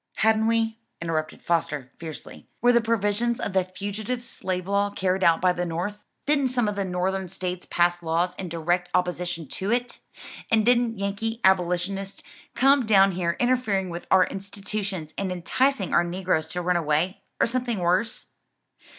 "Hadn't we?" interrupted Foster fiercely. "Were the provisions of the Fugitive Slave Law carried out by the North? didn't some of the Northern States pass laws in direct opposition to it? and didn't Yankee abolitionists come down here interfering with our institutions and enticing our negroes to run away, or something worse?"